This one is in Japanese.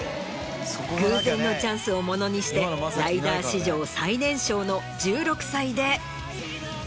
偶然のチャンスをものにしてライダー史上最年少の１６歳で。